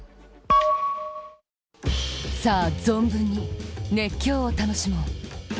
さあ、存分に熱狂を楽しもう。